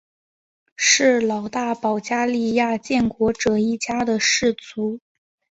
是老大保加利亚建国者一家的氏族。